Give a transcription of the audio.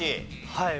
はい。